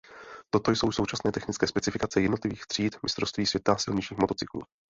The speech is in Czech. Toto jsou současné technické specifikace jednotlivých tříd mistrovství světa silničních motocyklů.